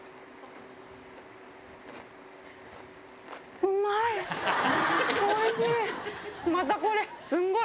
うまい！